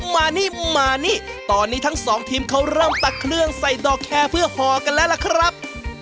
มานี่มานี่ตอนนี้ทั้งสองทีมเขาเริ่มตักเครื่องใส่ดอกแคร์เพื่อห่อกันแล้วล่ะครับ